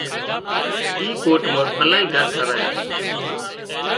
اي ڪوٽ مان الاهي گھر ٺاهرايان